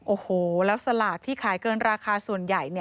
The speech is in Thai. โอ้โหแล้วสลากที่ขายเกินราคาส่วนใหญ่